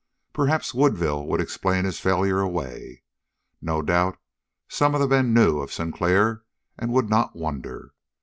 Perhaps Woodville would explain his failure away. No doubt some of the men knew of Sinclair and would not wonder.